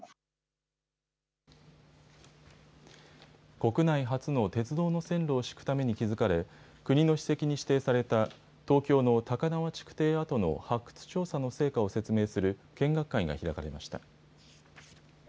国内初の鉄道の線路を敷くために築かれ、国の史跡に指定された、東京の高輪築堤跡の発掘調査の成果を説明する見学会が開かれました。